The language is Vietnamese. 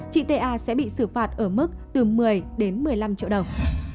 chị ta sẽ bị xử phạt ở mức từ một mươi đến một mươi năm triệu đồng